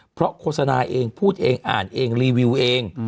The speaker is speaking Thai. เพราะโฆษณาเองพูดเองอ่านเองรีวิวเอง